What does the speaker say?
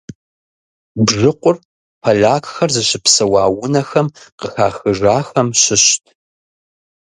Бжыкъур полякхэр зыщыпсэуа унэхэм къыхахыжахэм щыщт.